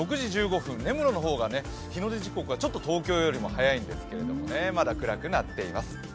６時１５分、根室の方が日の出時刻がちょっと東京よりも早いんですがまだ暗くなっています。